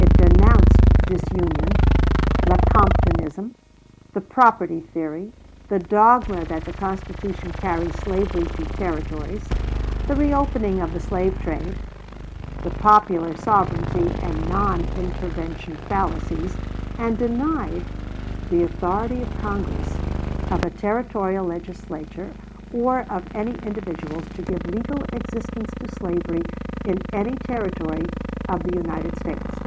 It denounced disunion, Lecomptonism, the property theory, the dogma that the Constitution carries slavery to Territories, the reopening of the slave trade, the popular sovereignty and non intervention fallacies, and denied "the authority of Congress, of a Territorial Legislature, or of any individuals to give legal existence to slavery in any Territory of the United States."